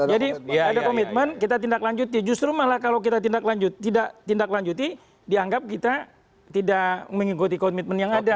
jadi ada komitmen kita tindak lanjuti justru malah kalau kita tindak lanjuti dianggap kita tidak mengikuti komitmen yang ada